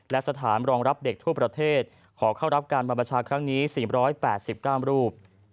และสถานรองรับเด็กทั่วประเทศขอเข้ารับการบรรพชาครั้งนี้๔๘๙รูป